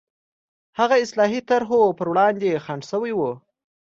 هغه د اصلاحي طرحو پر وړاندې خنډ شوي وو.